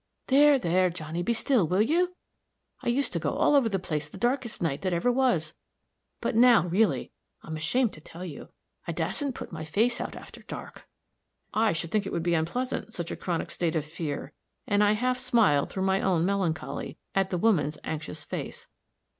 There, there, Johnny, be still, will you? I used to go all over the place the darkest night that ever was but now, really, I'm ashamed to tell you, I dasn't put my face out after dark." "I should think it would be unpleasant, such a chronic state of fear," and I half smiled through my own melancholy, at the woman's anxious face.